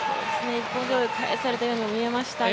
一本背負い、返されたように見えましたが。